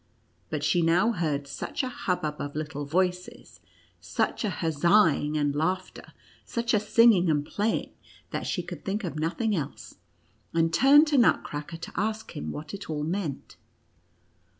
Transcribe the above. But she now heard such a hubbub of little voices, such a huzzaing and laughter, such a singing and playing, that she could think of nothing else, and turned to Nut cracker to ask him what it all meant.